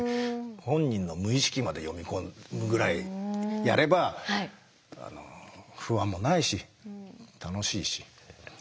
本人の無意識まで読み込むぐらいやれば不安もないし楽しいし。